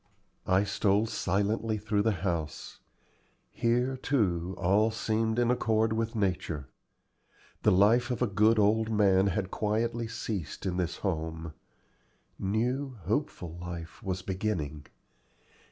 I stole silently through the house. Here, too, all seemed in accord with nature. The life of a good old man had quietly ceased in this home; new, hopeful life was beginning.